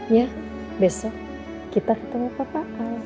ya besok kita ketemu papa